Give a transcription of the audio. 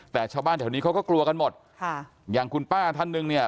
แต่ชาวบ้านแถวนี้เขาก็กลัวกันหมดค่ะอย่างคุณป้าท่านหนึ่งเนี่ย